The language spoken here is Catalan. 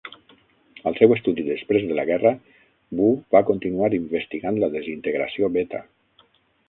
Al seu estudi després de la guerra, Wu va continuar investigant la desintegració beta.